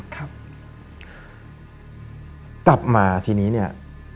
กลับมาทีนี้เนี่ย